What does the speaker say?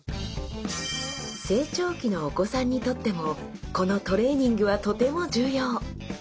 成長期のお子さんにとってもこのトレーニングはとても重要。